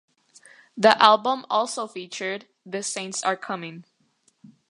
The album also featured "The Saints are Coming".